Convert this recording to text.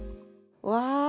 うわ！